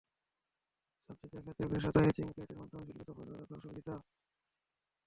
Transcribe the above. ছাপচিত্রের ক্ষেত্রে বিশেষত এচিং অ্যাকুয়াটিন্ট মাধ্যমের শিল্পিত প্রয়োগে তাঁর দক্ষতা সুবিদিত।